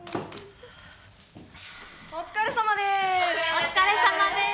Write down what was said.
お疲れさまでーす！